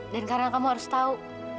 dan karena kamu harus tau